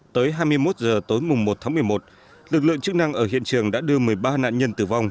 tới hai mươi một h tối một tháng một mươi một lực lượng chức năng ở hiện trường đã đưa một mươi ba nạn nhân tử vong